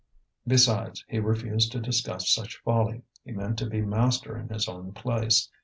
Besides, he refused to discuss such folly; he meant to be master in his own place.